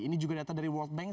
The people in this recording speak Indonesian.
ini juga data dari world bank